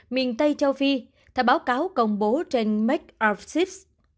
miền tây châu phi theo báo cáo công bố trên make of sips